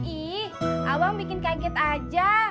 ih abang bikin kaget aja